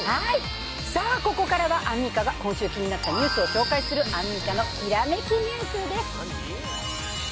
さあ、ここからはアンミカが今週気になったニュースを紹介する、アンミカのきらめきニュースです。